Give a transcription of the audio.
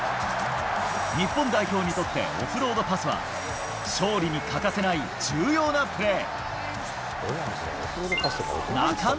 日本代表にとって、オフロードパスは勝利に欠かせない重要なプレー。